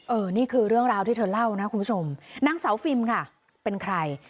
นี่คือเรื่องราวที่เธอเล่านะคุณผู้ชมนางสาวฟิล์มค่ะเป็นใคร